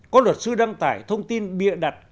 có luật sư đăng tải thông tin bịa đặt